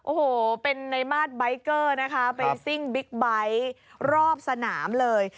โอ้โหเป็นในมาร์ดใบเกอร์นะคะไปซิ่งบิ๊กไบท์รอบสนามเลย